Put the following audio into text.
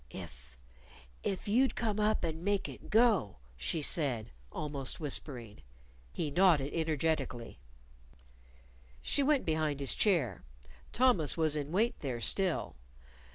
"If if you'd come up and make it go," she said, almost whispering. He nodded energetically. She went behind his chair. Thomas was in wait there still.